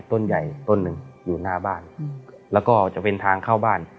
ต้นใหญ่ต้นหนึ่งอยู่หน้าบ้านแล้วก็จะเป็นทางเข้าบ้าน